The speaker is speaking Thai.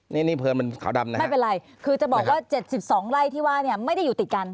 นี่นี่เพลินมันขาวดำนะไม่เป็นไรคือจะบอกว่า๗๒ไร่ที่ว่าเนี่ยไม่ได้อยู่ติดกัน